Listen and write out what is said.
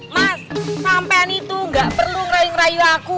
mas sampean itu gak perlu ngerayu ngerayu aku